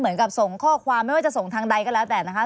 ส่งข้อความไม่ว่าจะส่งทางใดก็แล้วแต่นะคะ